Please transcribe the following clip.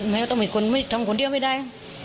ไม่มีใจ